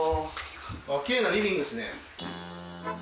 奇麗なリビングですね。